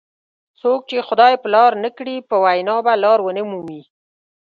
څوک چې خدای په لار نه کړي په وینا به لار ونه مومي.